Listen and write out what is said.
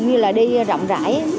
như là đi rộng rãi